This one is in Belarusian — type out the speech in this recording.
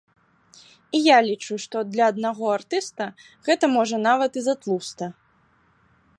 І я лічу, што для аднаго артыста гэта можа нават і затлуста.